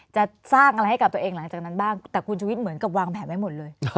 จะสร้างอะไรให้กับตัวเองหลังจากนั้นบ้างแต่คุณชุวิตเหมือนกับวางแผนไว้หมดเลย